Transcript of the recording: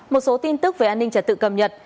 một số tin tức về an ninh trật tự cập nhật